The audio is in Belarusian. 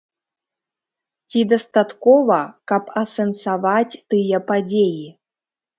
Ці дастаткова, каб асэнсаваць тыя падзеі?